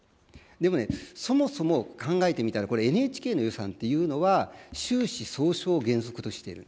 でもね、そもそも考えてみたら、これ、ＮＨＫの予算っていうのは収支相償を原則としている。